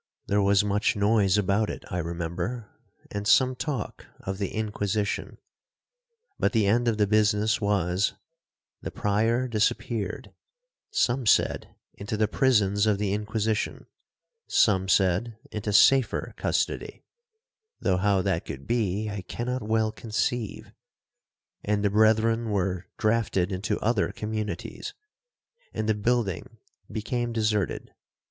There was much noise about it, I remember, and some talk of the Inquisition,—but the end of the business was, the Prior disappeared, some said into the prisons of the Inquisition, some said into safer custody—(though how that could be, I cannot well conceive)—and the brethren were drafted into other communities, and the building became deserted.